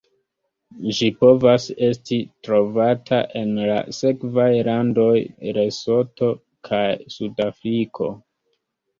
Ĝi povas esti trovata en la sekvaj landoj: Lesoto kaj Sudafriko.